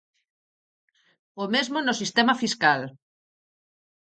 O mesmo no sistema fiscal.